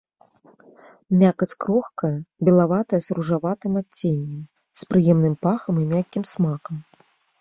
Мякаць крохкая, белаватая з ружаватым адценнем, з прыемным пахам і мяккім смакам.